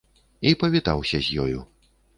І павітаўся з ёю.